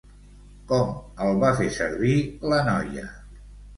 Com el va fer servir la noia?